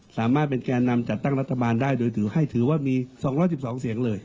สามารถเป็นแก่นำจัดตั้งรัฐบาลได้โดยถือให้ถือว่ามี๒๑๒เสียงเลย